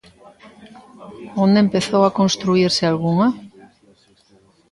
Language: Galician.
¿Onde empezou a construírse algunha?